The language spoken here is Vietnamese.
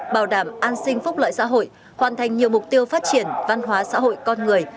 bảo đảm an sinh phúc lợi xã hội hoàn thành nhiều mục tiêu phát triển văn hóa xã hội con người